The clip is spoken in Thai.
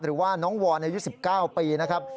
หรือว่าน้องวอนอายุ๑๙ปีนะครับ